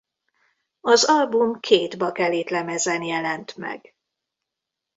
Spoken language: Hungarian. Az album két bakelitlemezen jelent meg.